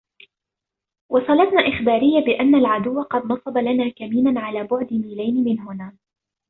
وصلتنا إخبارية بأن العدو قد نصب لنا كميناً على بعد ميلين من هنا.